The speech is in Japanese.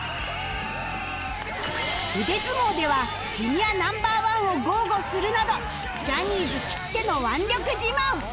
腕相撲では Ｊｒ．Ｎｏ．１ を豪語するなどジャニーズきっての腕力自慢